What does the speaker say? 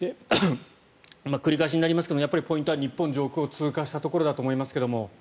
繰り返しになりますがやっぱりポイントは日本上空を通過したところだと思いますが。